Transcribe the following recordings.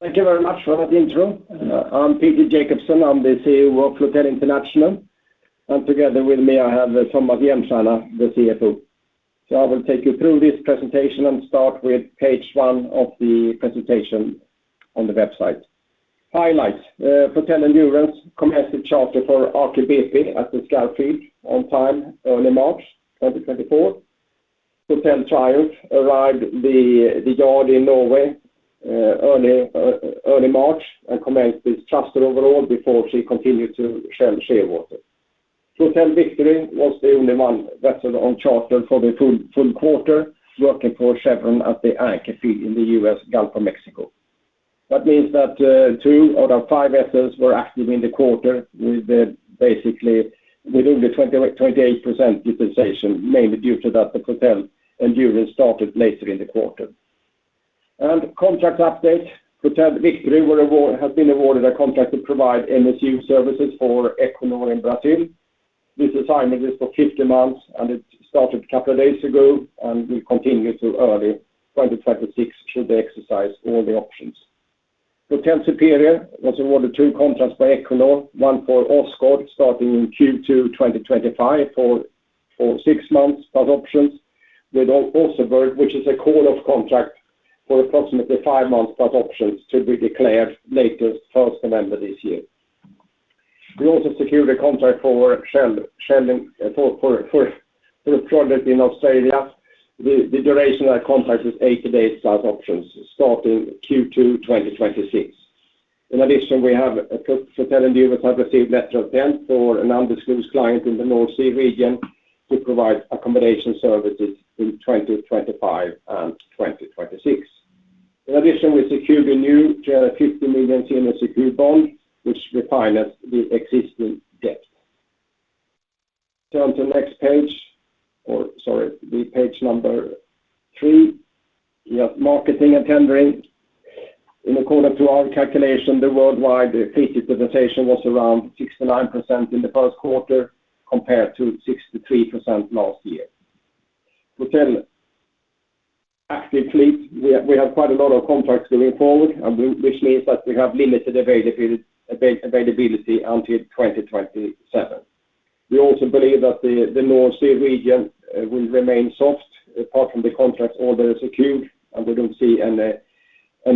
Thank you very much for that intro. I'm Peter Jacobsson, I'm the CEO of Floatel International, and together with me, I have Tomas Hjelmstierna, the CFO. So I will take you through this presentation and start with page one of the presentation on the website. Highlights, Floatel Endurance comprehensive charter for Aker BP at the Skarv field on time, early March 2024. Floatel Triumph arrived the yard in Norway early March and commenced the thruster overhaul before she continued to Shell Shearwater. Floatel Victory was the only one vessel on charter for the full quarter, working for Chevron at the Anchor field in the U.S. Gulf of Mexico. That means that two out of five vessels were active in the quarter, with basically within the 28% utilization, mainly due to that the Floatel Endurance started later in the quarter. Contract update, Floatel Victory has been awarded a contract to provide MSU services for Equinor in Brazil. This assignment is for 50 months, and it started a couple of days ago, and will continue to early 2026 should they exercise all the options. Floatel Superior was awarded two contracts by Equinor, one for Oseberg, starting in Q2 2025 for six months, plus options. With Åsgard work, which is a call-off contract for approximately five months, plus options to be declared later, 1st of November this year. We also secured a contract for Shell for a project in Australia. The duration of the contract is 80 days, plus options, starting Q2 2026. In addition, we have a Floatel Endurance have received Letter of Intent for an undisclosed client in the North Sea region, to provide accommodation services in 2025 and 2026. In addition, we secured a new $50 million senior secured bond, which refinances the existing debt. Turn to the next page, or sorry, the page number three. We have marketing and tendering. In accordance to our calculation, the worldwide fleet utilization was around 69% in the first quarter, compared to 63% last year. Floatel active fleet, we have quite a lot of contracts going forward, and we, which means that we have limited availability until 2027. We also believe that the North Sea region will remain soft, apart from the contracts already secured, and we don't see any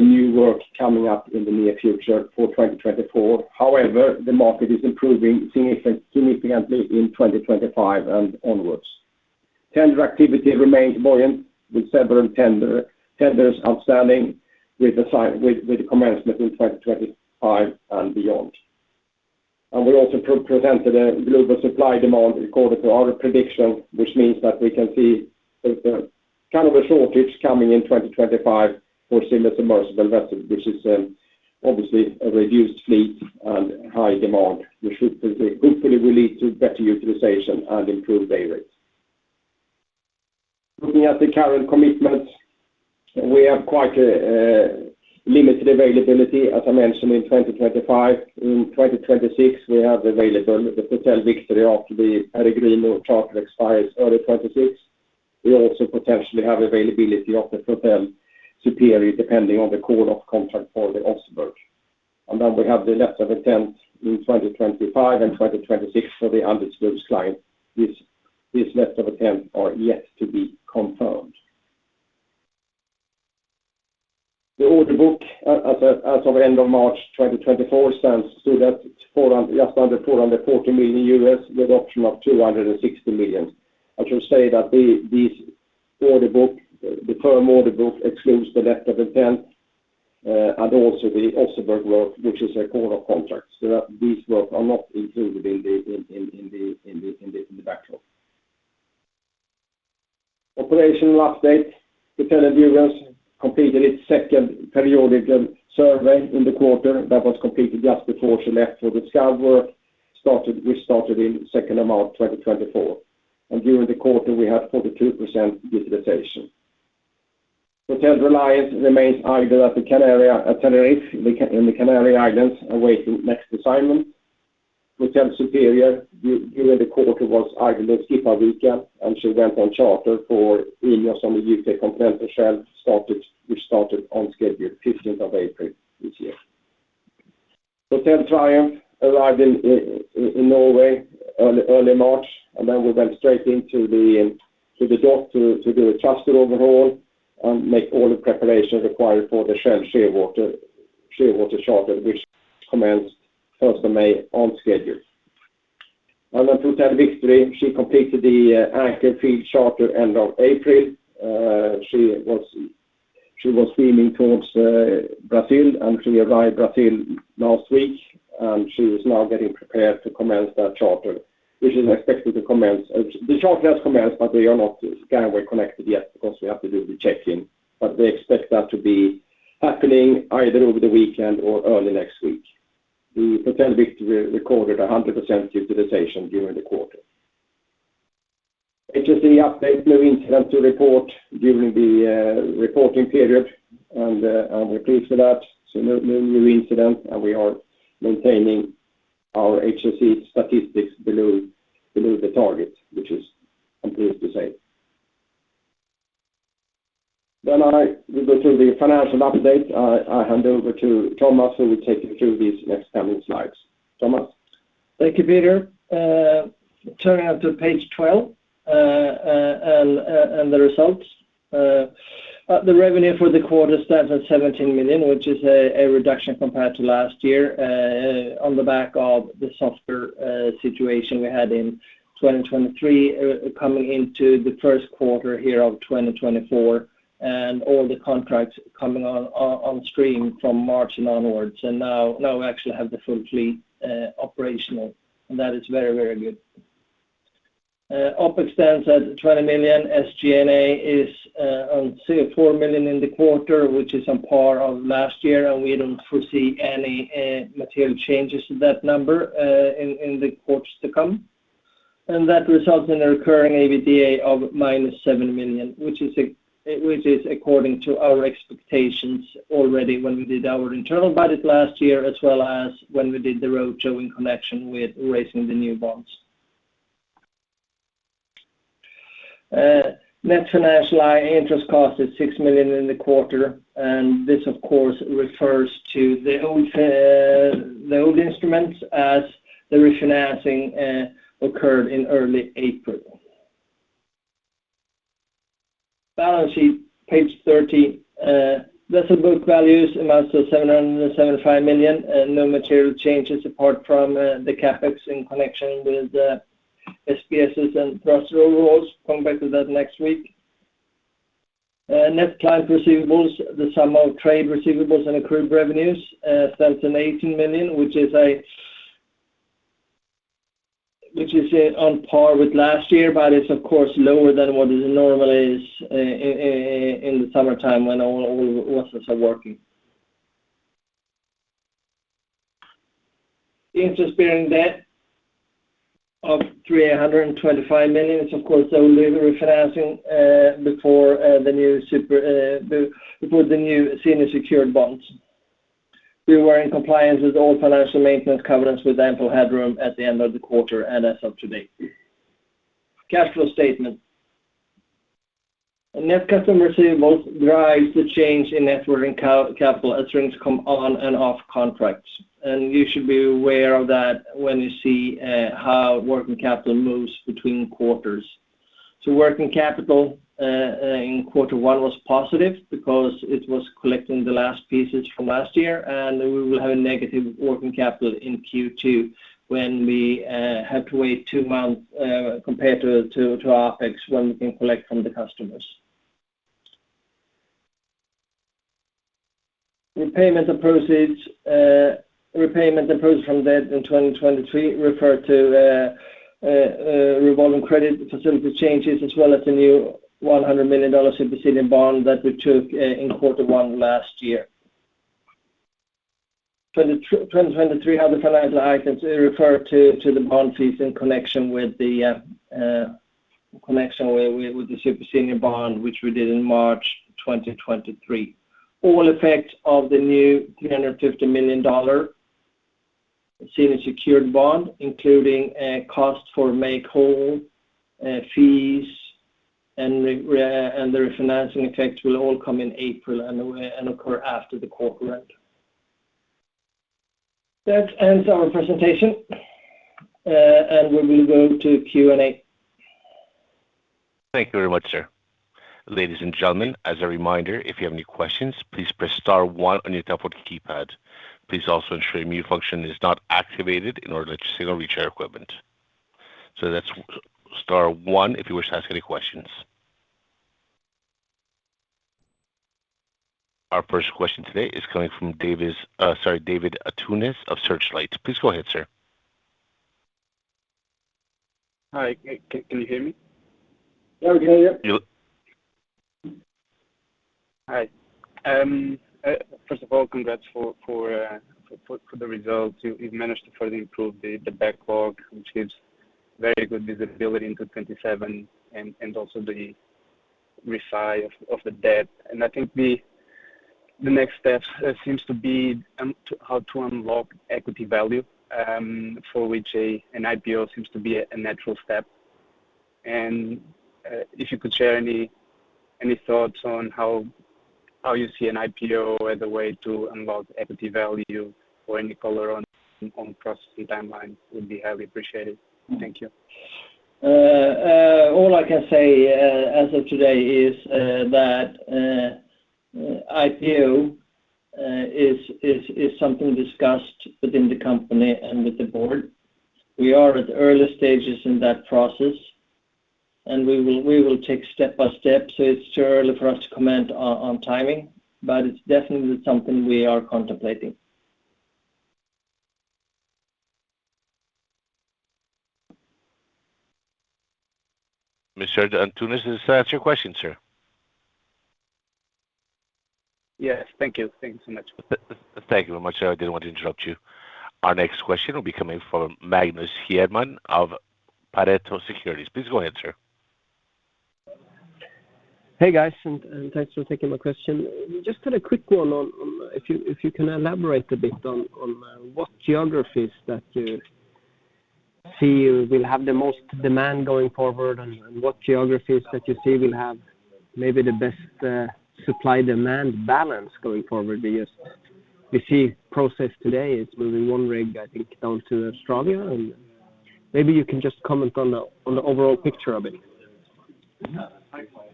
new work coming up in the near future for 2024. However, the market is improving significantly in 2025 and onwards. Tender activity remains buoyant, with several tenders outstanding, with commencement in 2025 and beyond. We also presented a global supply-demand according to our prediction, which means that we can see a kind of a shortage coming in 2025 for semi-submersible vessels, which is obviously a reduced fleet and high demand, which should hopefully lead to better utilization and improved day rates. Looking at the current commitments, we have quite a limited availability, as I mentioned, in 2025. In 2026, we have available the Floatel Victory after the Peregrino charter expires early 2026. We also potentially have availability of the Floatel Superior, depending on the call-off contract for the Oseberg. Then we have the Letter of Intent in 2025 and 2026 for the undisclosed client. This Letter of Intent is yet to be confirmed. The order book, as of end of March 2024, stands at just under $440 million, with option of $260 million. I should say that this order book, the current order book excludes the Letter of Intent, and also the Oseberg work, which is a call-off contract. So that these work are not included in the backlog. Operational update. Floatel Endurance completed its second periodic survey in the quarter, that was completed just before she left for the Skarv work, which started second of March 2024. And during the quarter, we had 42% utilization. Floatel Reliance remains idle at the Canary, at Tenerife, in the Canary Islands, awaiting next assignment. Floatel Superior, during the quarter, was idle in Skipavika, and she went on charter for INEOS FPS UK from Floatel Shell, which started on schedule, 15th of April this year. Floatel Triumph arrived in Norway early March, and then we went straight into the dock to do a thruster overhaul and make all the preparations required for the Shell Shearwater charter, which commenced 1st of May on schedule. And then Floatel Victory, she completed the Anchor field charter end of April. She was, she was steaming towards Brazil, and she arrived Brazil last week, and she is now getting prepared to commence that charter, which is expected to commence, the charter has commenced, but we are not gangway connected yet, because we have to do the check-in. But we expect that to be happening either over the weekend or early next week. The Floatel Victory recorded 100% utilization during the quarter. HSE update, no incident to report during the reporting period, and I'm pleased with that. So no, no new incident, and we are maintaining our HSE statistics below, below the target, which is, I'm pleased to say. Then we go to the financial update. I hand over to Tomas, who will take you through these next coming slides. Tomas? Thank you, Peter. Turning to page 12 and the results. The revenue for the quarter stands at $17 million, which is a reduction compared to last year, on the back of the softer situation we had in 2023, coming into the first quarter here of 2024, and all the contracts coming on stream from March onwards. Now we actually have the full fleet operational, and that is very, very good. OpEx stands at $20 million. SG&A is on $4 million in the quarter, which is on par with last year, and we don't foresee any material changes to that number in the quarters to come. That results in a recurring EBITDA of -$7 million, which is, according to our expectations, already when we did our internal budget last year, as well as when we did the roadshow in connection with raising the new bonds. Net financial, i.e., interest cost, is $6 million in the quarter, and this, of course, refers to the old instruments as the refinancing occurred in early April. Balance sheet, page 13. That's the book values amounts to $775 million, and no material changes apart from the CapEx in connection with the SPS's and thruster overhauls. Come back to that next week. Net client receivables, the sum of trade receivables and accrued revenues, stands at $18 million, which is—which is, on par with last year, but it's of course, lower than what it normally is, in the summertime when all vessels are working. Interest-bearing debt of $325 million is, of course, only refinancing, before the new super, before the new senior secured bonds. We were in compliance with all financial maintenance covenants with ample headroom at the end of the quarter and as of today. Cash flow statement. Net customer receivable drives the change in net working capital as things come on and off contracts, and you should be aware of that when you see how working capital moves between quarters. So working capital in quarter one was positive because it was collecting the last pieces from last year, and we will have a negative working capital in Q2 when we have to wait two months, compared to our effects when we can collect from the customers. Repayment and proceeds from debt in 2023 refer to revolving credit facility changes, as well as the new $100 million super senior bond that we took in quarter one last year. For 2023, other financial items refer to the bond fees in connection with the super senior bond, which we did in March 2023. All effects of the new $350 million senior secured bond, including costs for make-whole fees, and the refinancing effects, will all come in April and occur after the quarter end. That ends our presentation, and we will go to Q&A. Thank you very much, sir. Ladies and gentlemen, as a reminder, if you have any questions, please press star one on your telephone keypad. Please also ensure your mute function is not activated in order to signal reach our equipment. So that's star one if you wish to ask any questions. Our first question today is coming from Davis, sorry, David Antunes of Searchlight. Please go ahead, sir. Hi, can you hear me? Yeah, we can hear you. You- Hi. First of all, congrats for the results. You've managed to further improve the backlog, which gives very good visibility into 2027 and also the refi of the debt. And I think the next step seems to be to how to unlock equity value, for which an IPO seems to be a natural step? And if you could share any thoughts on how you see an IPO as a way to unlock equity value, or any color on processing timeline, would be highly appreciated. Thank you. All I can say, as of today, is that IPO is something discussed within the company and with the board. We are at the early stages in that process, and we will take step by step. So it's too early for us to comment on timing, but it's definitely something we are contemplating. Mr. Antunes, does that answer your question, sir? Yes. Thank you. Thank you so much. Thank you very much, sir. I didn't want to interrupt you. Our next question will be coming from Magnus Hjermann of Pareto Securities. Please go ahead, sir. Hey, guys, and thanks for taking my question. Just had a quick one on what geographies that- See, you will have the most demand going forward, and what geographies that you see will have maybe the best supply-demand balance going forward? Because we see progress today, it's moving one rig, I think, down to Australia, and maybe you can just comment on the overall picture of it.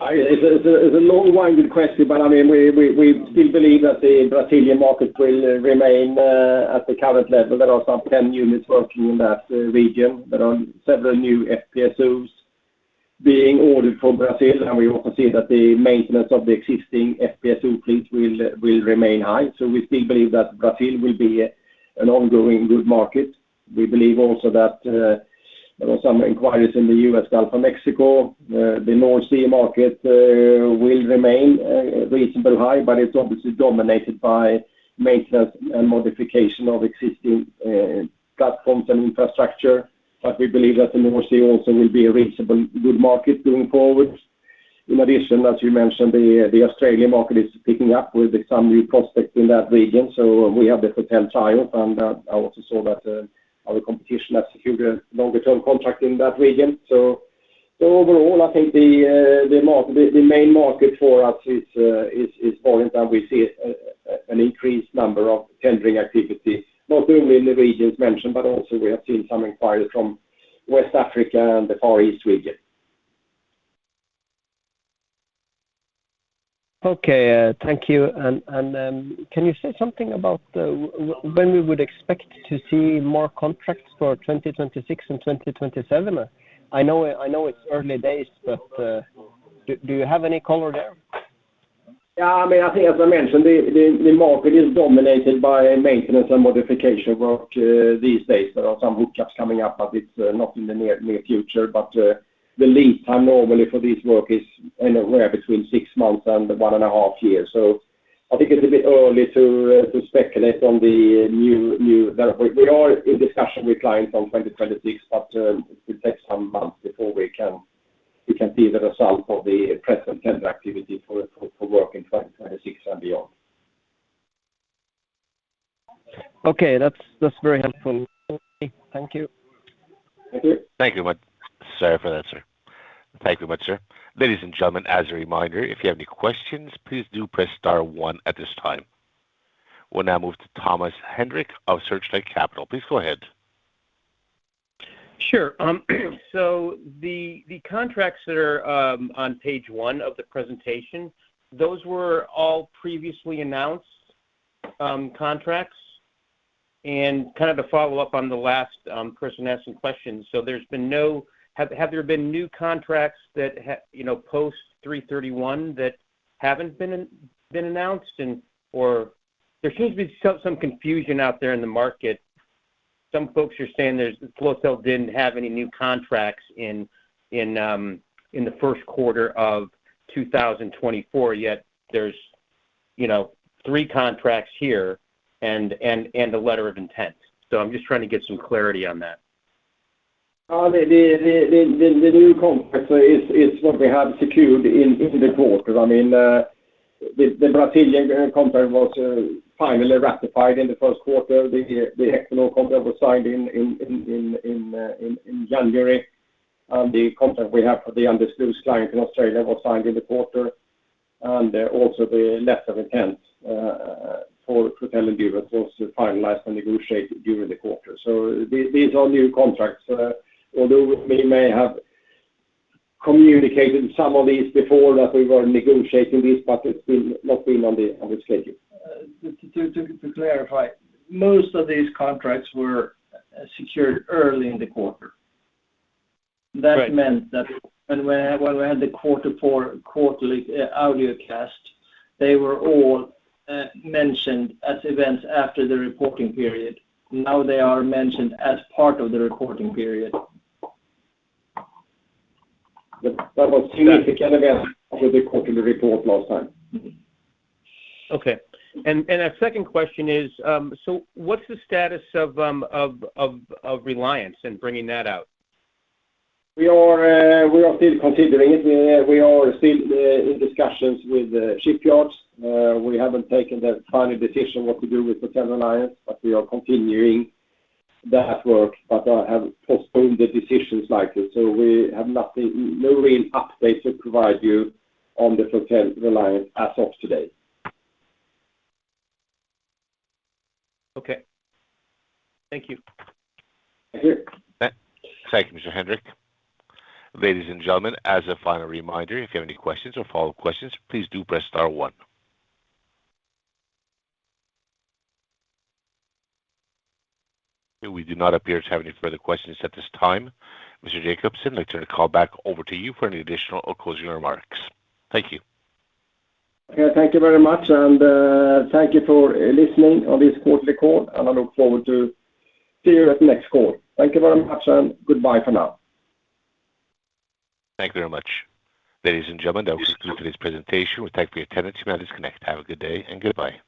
It's a long-winded question, but I mean, we still believe that the Brazilian market will remain at the current level. There are some 10 units working in that region. There are several new FPSOs being ordered for Brazil, and we also see that the maintenance of the existing FPSO fleet will remain high. So we still believe that Brazil will be an ongoing good market. We believe also that there are some inquiries in the U.S. Gulf of Mexico. The North Sea market will remain reasonably high, but it's obviously dominated by maintenance and modification of existing platforms and infrastructure. But we believe that the North Sea also will be a reasonably good market going forward. In addition, as you mentioned, the Australian market is picking up with some new prospects in that region, so we have the Floatel Triumph. I also saw that our competition has secured a longer-term contract in that region. Overall, I think the main market for us is Norway, and we see an increased number of tendering activities, not only in the regions mentioned, but also we have seen some inquiries from West Africa and the Far East region. Okay, thank you. Can you say something about when we would expect to see more contracts for 2026 and 2027? I know it's early days, but do you have any color there? Yeah, I mean, I think as I mentioned, the market is dominated by maintenance and modification work these days. There are some hookups coming up, but it's not in the near future. But the lead time normally for this work is anywhere between six months and one and a half years. So I think it's a bit early to speculate on the new, but we are in discussion with clients on 2026, but it will take some months before we can see the result of the present tender activity for work in 2026 and beyond. Okay. That's very helpful. Thank you. Thank you. Thank you, Mag- Sorry for that, sir. Thank you much, sir. Ladies and gentlemen, as a reminder, if you have any questions, please do press star one at this time. We'll now move to Tomas Hedrick of Searchlight Capital. Please go ahead. Sure. So the contracts that are on page one of the presentation, those were all previously announced contracts? And kind of to follow up on the last person asking questions, so have there been new contracts that you know, post-3/31, that haven't been announced, or there seems to be some confusion out there in the market. Some folks are saying that Floatel didn't have any new contracts in the first quarter of 2024, yet there's you know, three contracts here and a letter of intent. So I'm just trying to get some clarity on that. The new contract is what we have secured in the quarter. I mean, the Brazilian contract was finally ratified in the first quarter. The Hexo contract was signed in January. And the contract we have for the undisclosed client in Australia was signed in the quarter. And also the letter of intent for Floatel Endurance was also finalized and negotiated during the quarter. So these are new contracts. Although we may have communicated some of these before that we were negotiating this, but it's still not been on the schedule. To clarify, most of these contracts were secured early in the quarter. Right. That meant that when we, when we had the quarter for quarterly, audio cast, they were all mentioned as events after the reporting period. Now, they are mentioned as part of the reporting period. That was seen together with the quarterly report last time. Okay. And a second question is, so what's the status of Reliance and bringing that out? We are still considering it. We are still in discussions with the shipyards. We haven't taken that final decision what to do with the Floatel Reliance, but we are continuing that work. But I have postponed the decisions likely, so we have nothing, no real update to provide you on the Floatel Reliance as of today. Okay. Thank you. Thank you. Thank you, Mr. Hedrick. Ladies and gentlemen, as a final reminder, if you have any questions or follow-up questions, please do press star one. We do not appear to have any further questions at this time. Mr. Jacobsson, I turn the call back over to you for any additional or closing remarks. Thank you. Okay. Thank you very much, and thank you for listening on this quarterly call, and I look forward to seeing you at the next call. Thank you very much, and goodbye for now. Thank you very much. Ladies and gentlemen, that was through today's presentation. We thank you for your attendance. You may disconnect. Have a good day and goodbye.